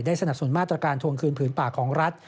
สนับสนมาตรการทวงคืนผืนป่าของรัฐ